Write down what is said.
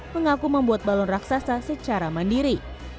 mengaku membuat balon raksasa secara mandiri